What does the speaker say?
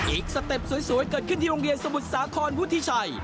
สเต็ปสวยเกิดขึ้นที่โรงเรียนสมุทรสาครวุฒิชัย